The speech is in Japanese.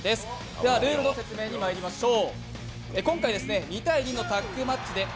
ではルールの説明にまいりましょう。